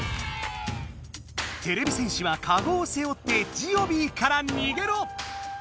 てれび戦士はかごをせおってジオビーからにげろ！